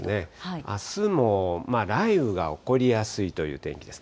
あすも雷雨が起こりやすいという天気です。